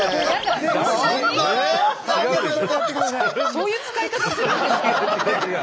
そういう使い方するんですか？